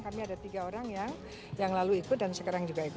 kami ada tiga orang yang lalu ikut dan sekarang juga ikut